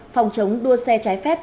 phòng chống đua xe trái phép